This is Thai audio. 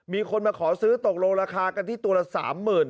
มีคนมาขอซื้อตกลงราคากันที่ตัวละ๓๐๐๐บาท